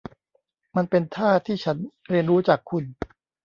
มันเป็นท่าที่ฉันเรียนรู้จากคุณ